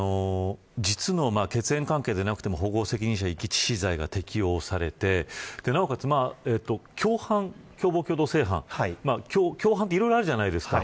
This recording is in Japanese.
実の血縁関係でなくとも保護責任者遺棄致死罪が適用されて共謀共同正犯共犯いろいろあるじゃないですか。